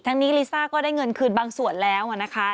นี้ลิซ่าก็ได้เงินคืนบางส่วนแล้วนะคะ